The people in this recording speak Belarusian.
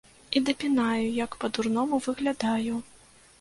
І дапінаю, як па-дурному выглядаю.